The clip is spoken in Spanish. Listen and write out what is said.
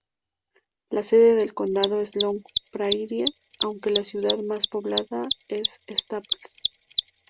La sede del condado es Long Prairie, aunque la ciudad más poblada es Staples.